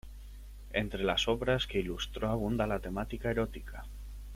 Entre las obras que ilustró abunda la temática erótica.